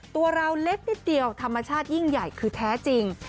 ตัวเราเล็กนิดเดียวธรรมชาติยิ่งใหญ่คือแท้จริง